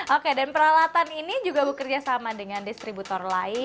oke dan peralatan ini juga bekerja sama dengan distributor lain